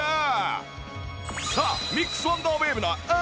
さあ